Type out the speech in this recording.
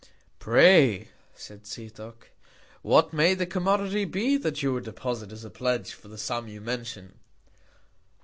Pray, said Setoc, what may the Commodity be that you would deposit as a Pledge for the Sum you mention.